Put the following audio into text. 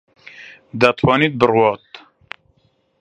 دەتوانێت بڕوات.